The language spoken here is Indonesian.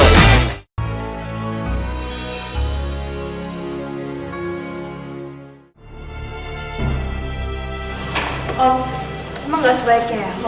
emang gak sebaiknya ya